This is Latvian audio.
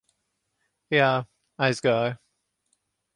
Jā, aizgāju.